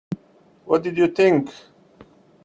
What did you think?